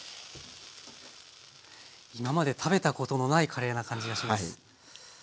今まで食べたことのないカレーな感じがします。